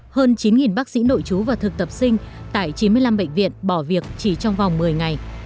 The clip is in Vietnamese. hơn chín bác sĩ nội chú và thực tập sinh tại chín mươi năm bệnh viện bỏ việc chỉ trong vòng một mươi ngày